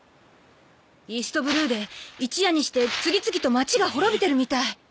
イーストブルーで一夜にして次々と街が滅びてるみたい